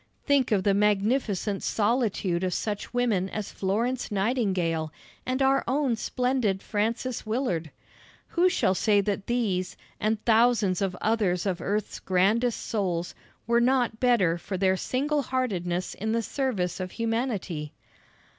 Think of the magnificent solitude of such women as Florence Nightingale and our own splendid Frances Willard! Who shall say that these, and thousands of others of earth's grandest souls, were not better for their single heartedness in the service of humanity?